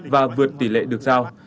và vượt tỷ lệ được giao